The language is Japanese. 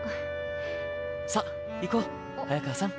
さあ行こう早川さん。